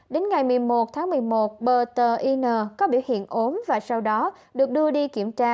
đến ngày một mươi một tháng một mươi một bờ tờ in có biểu hiện ốm và sau đó được đưa đi kiểm tra